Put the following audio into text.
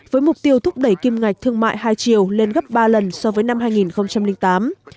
với mục tiêu thúc đẩy kim ngạch thương mại hai triệu lên gấp ba lần so với năm hai nghìn tám